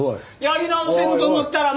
やり直せると思ったら。